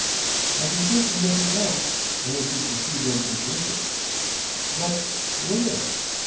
"I can think of nothing else, unless you pursue them in person." "But whither?"